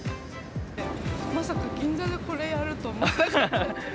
まさか銀座でこれやると思わなかった。